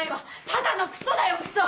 ただのクソだよクソ！